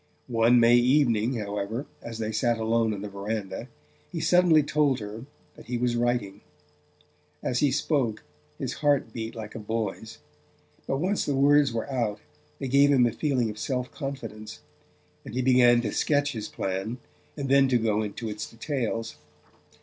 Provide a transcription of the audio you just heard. One May evening, however, as they sat alone in the verandah, he suddenly told her that he was writing. As he spoke his heart beat like a boy's; but once the words were out they gave him a feeling of self confidence, and he began to sketch his plan, and then to go into its details.